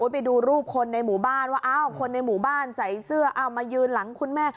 ไปดูรูปคนในหมู่บ้านว่าอ้าวคนในหมู่บ้านใส่เสื้อเอามายืนหลังคุณแม่